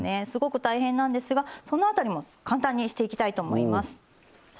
すごく大変なんですがそのあたりも簡単にしていきたいと思います。